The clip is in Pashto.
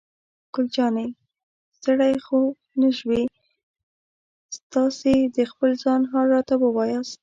ګل جانې: ستړی خو نه شوې؟ تاسې د خپل ځان حال راته ووایاست.